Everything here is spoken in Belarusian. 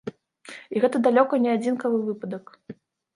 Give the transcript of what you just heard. І гэта далёка не адзінкавы выпадак.